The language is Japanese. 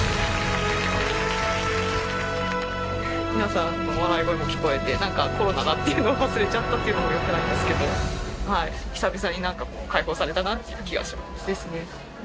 皆さんの笑い声も聞こえて何かコロナだっていうのを忘れちゃったっていうのも良くないんですけど久々に何か解放されたなっていう気がします。ですね。